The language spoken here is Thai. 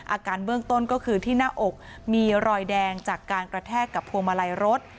อาการเบื้องต้นก็คือที่หน้าอกมีรอยแดงจากการกระแทกกับพวงมาลัยรถ